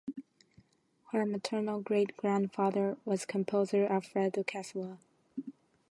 Her maternal great-grandfather was composer Alfredo Casella.